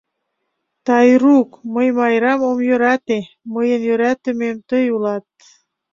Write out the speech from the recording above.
Тайрук, мый Майрам ом йӧрате, мыйын йӧратымем тый улат.